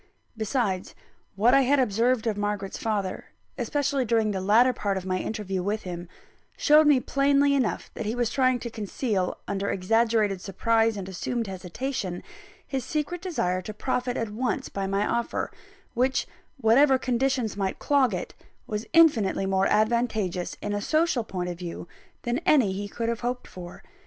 Besides, what I had observed of Margaret's father, especially during the latter part of my interview with him, showed me plainly enough that he was trying to conceal, under exaggerated surprise and assumed hesitation, his secret desire to profit at once by my offer; which, whatever conditions might clog it, was infinitely more advantageous in a social point of view, than any he could have hoped for.